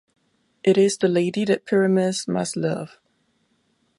It is the lady that Pyramus must love.